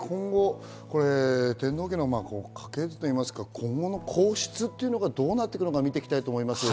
天皇家の家系図といいますか、今後の皇室っていうのがどうなっていくのか見ていきたいと思います。